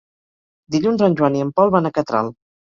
Dilluns en Joan i en Pol van a Catral.